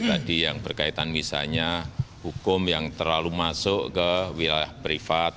tadi yang berkaitan misalnya hukum yang terlalu masuk ke wilayah privat